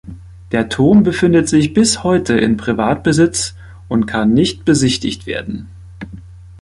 Der Turm befindet sich bis heute in Privatbesitz und kann nicht besichtigt werden.